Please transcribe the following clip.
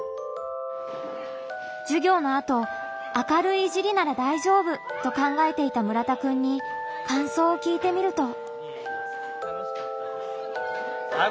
授業のあと「明るいいじりなら大丈夫」と考えていた村田くんにかんそうを聞いてみると。